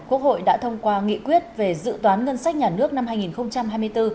quốc hội đã thông qua nghị quyết về dự toán ngân sách nhà nước năm hai nghìn hai mươi bốn